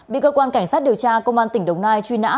bị cơ quan cảnh sát điều tra công an tỉnh đồng nai truy nã